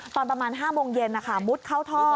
ตอนประมาณ๕โมงเย็นมุดเข้าท่อ